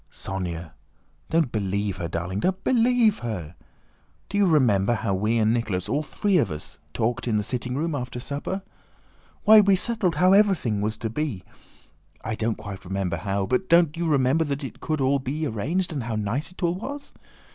"Sónya, don't believe her, darling! Don't believe her! Do you remember how we and Nicholas, all three of us, talked in the sitting room after supper? Why, we settled how everything was to be. I don't quite remember how, but don't you remember that it could all be arranged and how nice it all was?